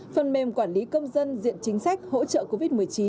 phần mềm quản lý công dân diện chính sách hỗ trợ covid một mươi chín